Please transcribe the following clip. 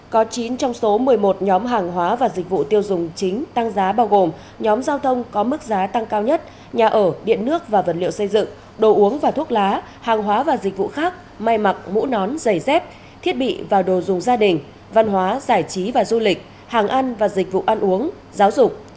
có chín trong số một mươi một nhóm hàng hóa và dịch vụ tiêu dùng chính tăng giá bao gồm nhóm giao thông có mức giá tăng cao nhất nhà ở điện nước và vật liệu xây dựng đồ uống và thuốc lá hàng hóa và dịch vụ khác may mặc mũ nón giày dép thiết bị và đồ dùng gia đình văn hóa giải trí và du lịch hàng ăn và dịch vụ ăn uống giáo dục